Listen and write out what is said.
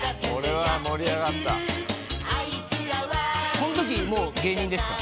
こんときもう芸人ですか？